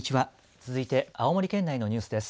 続いて青森県内のニュースです。